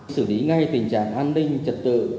sử lý ngay tình trạng an ninh trật tự